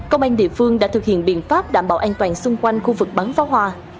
công an địa phương đã thực hiện biện pháp đảm bảo an toàn xung quanh khu vực bắn pháo hoa